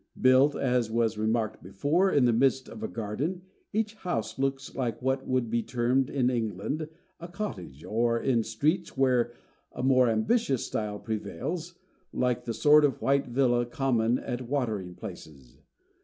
Built, as was remarked before, in the midst of a garden, each house looks like what would be termed in England a cottage, or, in streets where a more ambitious style prevails, like the sort of white villa common at watering places.